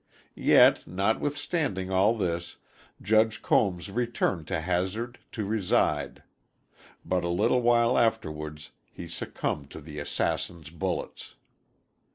Yet, notwithstanding all this, Judge Combs returned to Hazard to reside. But a little while afterwards he succumbed to the assassins' bullets.